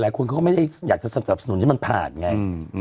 เขาก็ไม่ได้อยากจะสนับสนุนให้มันผ่านไง